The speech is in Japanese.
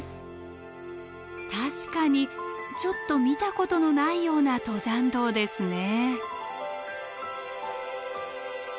確かにちょっと見たことのないような登山道ですね。